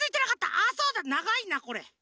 あそうだ！」。ながいなこれ。